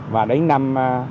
và đến năm